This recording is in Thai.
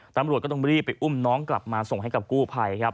ตำรวจก็ต้องรีบไปอุ้มน้องกลับมาส่งให้กับกู้ภัยครับ